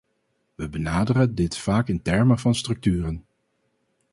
We benaderen dit vaak in termen van structuren.